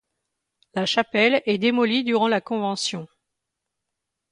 La chapelle est démolie durant la Convention.